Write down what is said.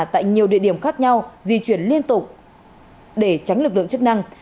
tại nhiều địa điểm khác nhau di chuyển liên tục để tránh lực lượng chức năng